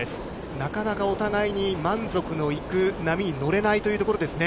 なかなかお互いに満足のいく波に乗れないというところですね。